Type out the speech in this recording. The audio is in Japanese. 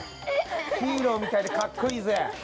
ヒーローみたいでかっこいいぜ！